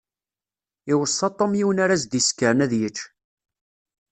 Iweṣṣa Tom yiwen ara s-d-isekren ad yečč.